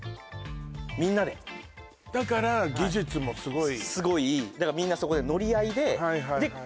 みんなでだから技術もすごいすごいだからみんなそこで乗り合いではい